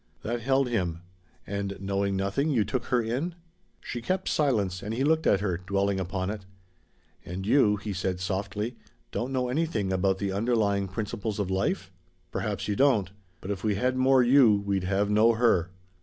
That held him. "And knowing nothing, you took her in?" She kept silence, and he looked at her, dwelling upon it. "And you," he said softly, "don't know anything about the 'underlying principles of life'? Perhaps you don't. But if we had more you we'd have no her."